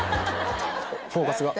フォーカスが！